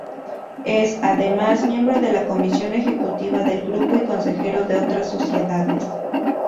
Es, además, miembro de la Comisión Ejecutiva del Grupo y consejero de otras sociedades.